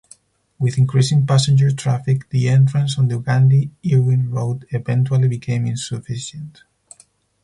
With increasing passenger traffic, the entrance on the Gandhi-Irwin Road eventually became insufficient.